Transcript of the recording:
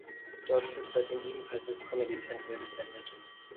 Dort wird seitdem ebenfalls als "Comedy Central" gesendet.